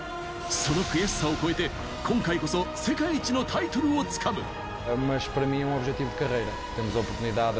その悔しさを超えて、今回こそ世界一のタイトルをつかむ。